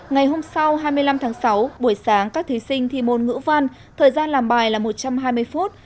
ngày hôm sau hai mươi năm tháng sáu buổi sáng các thí sinh thi môn ngữ văn thời gian làm bài là một trăm hai mươi phút